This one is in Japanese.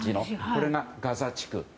これがガザ地区です。